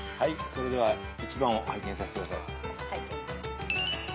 それでは１番を拝見させてください。